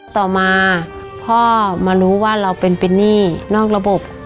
ต่อมาพ่อมารู้ว่าเราเป็นหนี้นอกระบบ